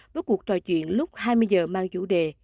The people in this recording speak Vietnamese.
với cuộc trò chuyện lúc hai mươi h mang chủ đề